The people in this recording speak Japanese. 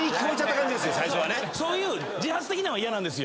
そういう自発的なんは嫌です。